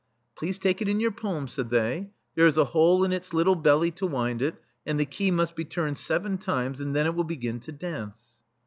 "Please take it in your palm," said they. "There is a hole in its little belly to wind it, and the key must be turned seven times, and then it will begin to dance."